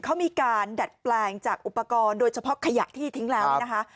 เขามีการดัดแปลงจากอุปกรณ์โดยเฉพาะขยะที่ทิ้งแล้วเนี่ยนะคะ